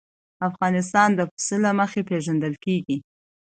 افغانستان د پسه له مخې پېژندل کېږي.